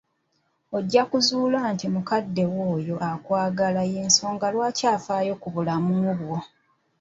Ojja kuzzuula nti mukadde wo oyo akwagala y'ensonga lwaki afaayo ku bulamu bwo.